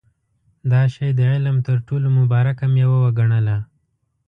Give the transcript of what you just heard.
دا شی د علم تر ټولو مبارکه مېوه وګڼله.